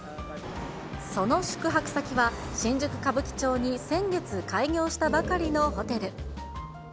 その宿泊先は、新宿・歌舞伎町に先月開業したばかりのホテル。